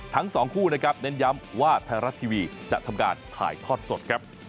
ทั้งสองคู่นะครับเน้นย้ำว่าไทยรัฐทีวีจะทำการถ่ายทอดสดครับ